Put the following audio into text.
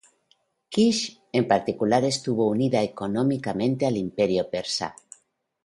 Kish, en particular, estuvo unida económicamente al Imperio persa.